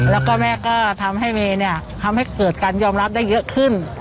แล้วก็แม่ก็ทำให้เมย์เนี่ยทำให้เกิดการยอมรับได้เยอะขึ้น